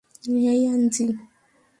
হেই, Anji!